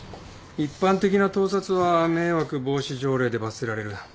一般的な盗撮は迷惑防止条例で罰せられる。